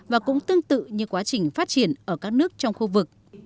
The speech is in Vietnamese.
và cũng tương tự như quá trình phát triển ở các nước trong khu vực